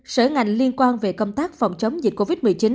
sở ngành liên quan về công tác phòng chống dịch covid một mươi chín